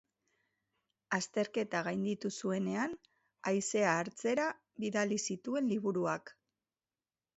Azterketa gainditu zuenean, haizea hartzera bidali zituen liburuak.